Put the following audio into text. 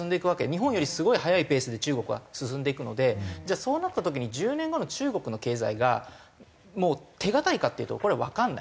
日本よりすごい早いペースで中国は進んでいくのでじゃあそうなった時に１０年後の中国の経済がもう手堅いかっていうとこれはわからないと。